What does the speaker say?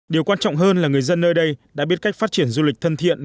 điều quan trọng hơn là người dân nơi đây đã biết cách phát triển du lịch thân thiện